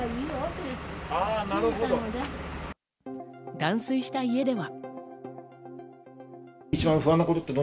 断水した家では。